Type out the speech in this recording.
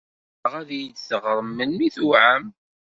Ɣseɣ ad iyi-d-teɣrem melmi tuɛam.